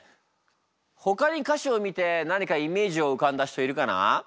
ほかに歌詞を見て何かイメージを浮かんだ人いるかな？